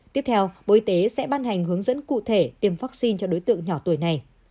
tiếp theo bộ y tế sẽ ban hành hướng dẫn cụ thể tiêm vaccine cho đối tượng nhỏ tuổi này